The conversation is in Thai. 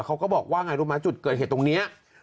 เขาก็บอกว่าไงรู้ไหมจุดเกิดเหตุตรงนี้